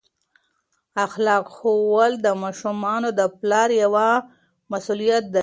اخلاق ښوول د ماشومانو د پلار یوه مسؤلیت ده.